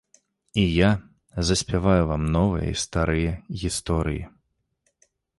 І я заспяваю вам новыя і старыя гісторыі.